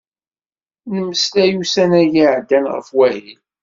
Nemmeslay ussan-agi iɛeddan ɣef wahil.